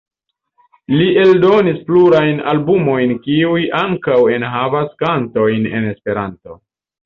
Li eldonis plurajn albumojn kiuj ankaŭ enhavas kantojn en Esperanto.